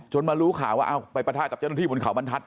มารู้ข่าวว่าเอาไปปะทะกับเจ้าหน้าที่บนเขาบรรทัศ